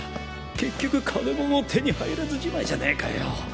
結局金も手に入らずじまいじゃねえかよ。